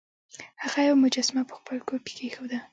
هغه یوه مجسمه په خپل کور کې کیښوده.